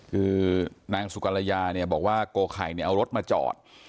คือนางสุกรยาเนี่ยบอกว่าโกไข่เอารถมาจอด